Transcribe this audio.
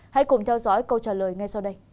hãy cùng theo dõi câu trả lời ngay sau đây